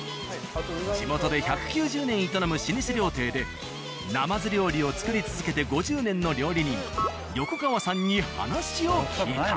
地元で１９０年営む老舗料亭でなまず料理を作り続けて５０年の料理人横川さんに話を聞いた。